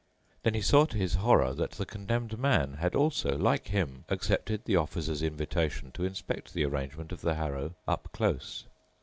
Then he saw to his horror that the Condemned Man had also, like him, accepted the Officer's invitation to inspect the arrangement of the harrow up close.